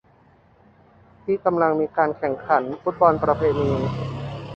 ที่กำลังมีการแข่งขันฟุตบอลประเพณี